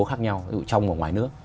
khác nhau ví dụ trong và ngoài nước